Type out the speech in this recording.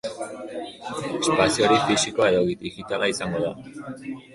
Espazio hori fisikoa edo digitala izango da